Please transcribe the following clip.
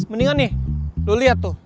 mendingan nih lu lihat tuh